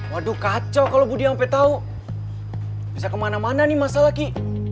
waduh kacau kalau budi ampe tahu bisa kemana mana nih masalah ki